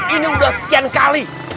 ini udah sekian kali